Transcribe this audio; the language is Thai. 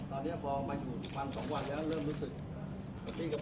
ตอนเนี้ยพอมาถูกสุดความสองวันแล้วเริ่มรู้สึกที่กระเป๋าขึ้นนะครับ